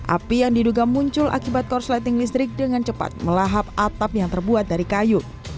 api yang diduga muncul akibat korsleting listrik dengan cepat melahap atap yang terbuat dari kayu